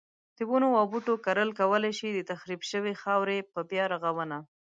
د ونو او بوټو کرل کولای شي د تخریب شوی خاورې په بیا رغونه.